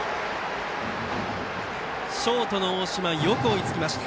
ショートの大島よく追いつきました。